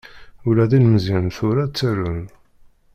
Ula d ilmeẓyen n tura ttarun.